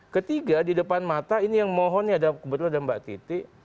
ketiga di depan mata ini yang mohon nih kebetulan ada mbak titi